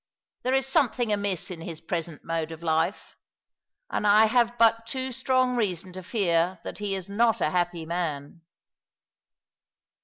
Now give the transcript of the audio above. There is some thing amiss in his present mode of life ; and I have but too strong reason to fear that he is not a happy man."